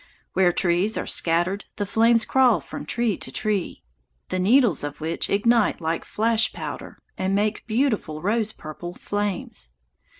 Where trees are scattered the flames crawl from tree to tree, the needles of which ignite like flash powder and make beautiful rose purple flames.